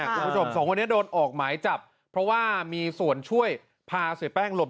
คุณผู้ชมสองคนนี้โดนออกหมายจับเพราะว่ามีส่วนช่วยพาเสียแป้งหลบ